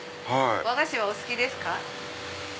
和菓子はお好きですか？